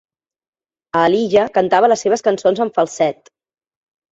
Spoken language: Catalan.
Aaliyah cantava les seves cançons en falset.